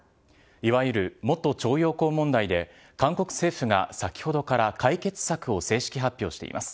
いわゆる元徴用工問題で韓国政府が先ほどから解決策を正式発表しています。